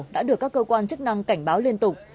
đã được các cơ quan chức năng cảnh báo liên tục